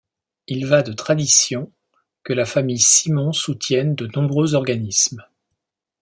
Il va de tradition que la famille Simons soutienne de nombreux organismes.